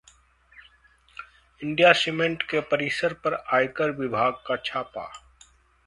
India cement के परिसर पर आयकर विभाग का छापा